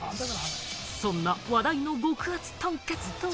そんな話題の極厚とんかつとは。